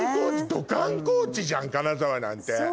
ド観光地じゃん金沢なんて。